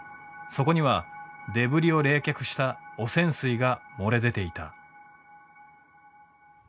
そこにはデブリを冷却した汚染水が漏れ出ていた。